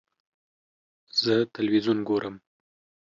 زه تلویزیون ګورم